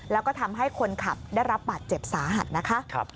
แล้วก็ทำให้คนขับได้รับบาดเจ็บสาหัสนะคะ